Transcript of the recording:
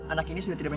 ada keadaan di depan